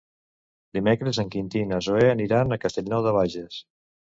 Dimecres en Quintí i na Zoè aniran a Castellnou de Bages.